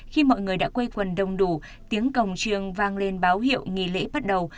khi mọi người đã quay quần đông đủ tiếng cổng trương vang lên báo hiệu nghỉ lễ bắt đầu